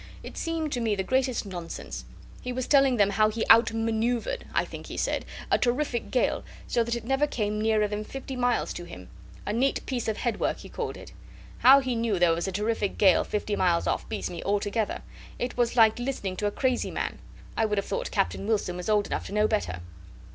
It seemed to me the greatest nonsense. He was telling them how he outmanoeuvred, I think he said, a terrific gale, so that it never came nearer than fifty miles to him. A neat piece of head work he called it. How he knew there was a terrific gale fifty miles off beats me altogether. It was like listening to a crazy man. I would have thought Captain Wilson was old enough to know better."